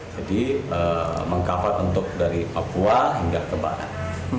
jadi mengkavar untuk dari papua hingga ke barat